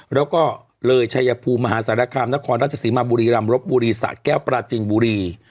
แล้วก็เหลยชายภูมิมหาศาลกรรมนครราชศิมาบุรีรำรบบุรีศาสตร์แก้วปราจิงบุรี